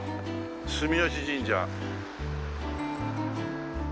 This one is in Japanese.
住吉神社。